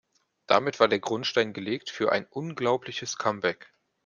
Damit war der Grundstein gelegt für ein unglaubliches Comeback.